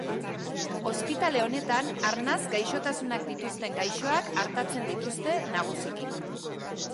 Ospitale honetan arnas gaixotasunak dituzten gaixoak artatzen dituzte nagusiki.